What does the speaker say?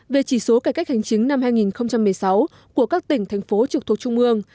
về chỉ số cải cách hành chính năm hai nghìn một mươi sáu của các tỉnh thành phố trực thuộc trung ương